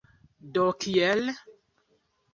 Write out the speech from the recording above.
Do, kiel?